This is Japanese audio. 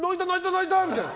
泣いた！みたいな。